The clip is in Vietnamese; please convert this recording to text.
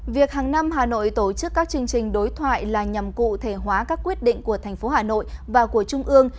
việc hàng năm hà nội tổ chức các chương trình đối thoại là nhằm cụ thể hóa các quyết định của thành phố hà nội và của trung ương